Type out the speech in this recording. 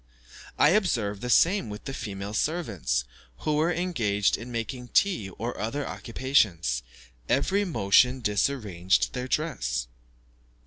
I observed the same with the female servants, who were engaged in making tea or other occupations; every motion disarranged their dress.